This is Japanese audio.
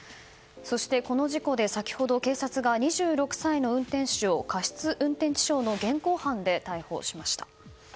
そして、この事故で先ほど警察が２６歳の運転手を過失運転致傷の現行犯で逮捕しました。